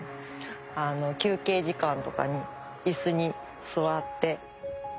休憩時間とかに椅子に座って。